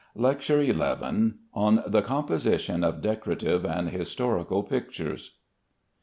LECTURE XI. ON THE COMPOSITION OF DECORATIVE AND HISTORICAL PICTURES.